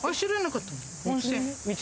温泉。